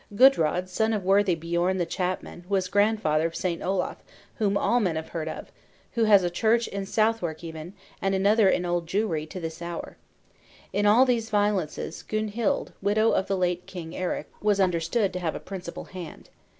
Gudrod, son of worthy Bjorn the Chapman, was grandfather of Saint Olaf, whom all men have heard of, who has a church in Southwark even, and another in Old Jewry, to this hour. In all these violences, Gunhild, widow of the late king Eric, was understood to have a principal hand.